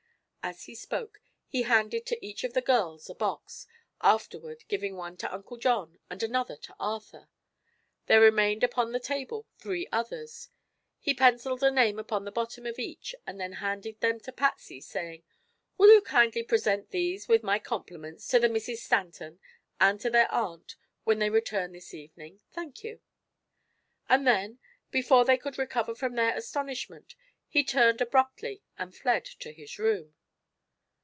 As he spoke he handed to each of the girls a box, afterward giving one to Uncle John and another to Arthur. There remained upon the table three others. He penciled a name upon the bottom of each and then handed them to Patsy, saying: "Will you kindly present these, with my compliments, to the Misses Stanton, and to their aunt, when they return this evening? Thank you!" And then, before they could recover from their astonishment, he turned abruptly and fled to his room.